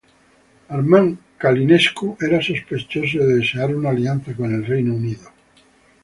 Armand Călinescu era sospechoso de desear una alianza con el Reino Unido.